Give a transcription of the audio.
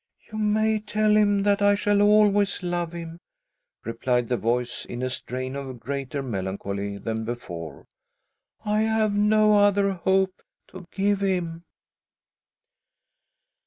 " You may tell him that I shall always love him," replied the voice, in a strain of greater melancholy than before. " I have no other hope to give him."